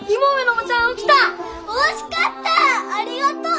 おいしかったありがとう！